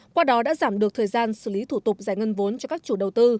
qua đó đã giảm được thời gian xử lý thủ tục giải ngân vốn cho các chủ đầu tư